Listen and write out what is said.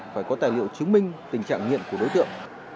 phải có tài liệu chứng minh tình trạng nghiện của đối tượng